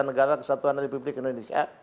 negara kesatuan republik indonesia